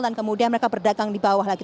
dan kemudian mereka berdagang di bawah lagi